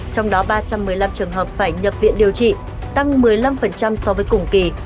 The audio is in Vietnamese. trong đó ba trăm một mươi năm trường hợp phải nhập viện điều trị tăng một mươi năm so với cùng kỳ